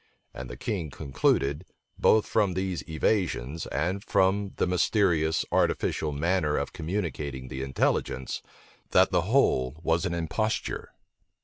And the king concluded, both from these evasions, and from the mysterious, artificial manner of communicating the intelligence, that the whole was an imposture.